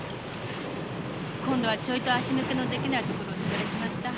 今度はちょいと足抜けのできない所に売られちまった。